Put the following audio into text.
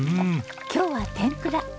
今日は天ぷら。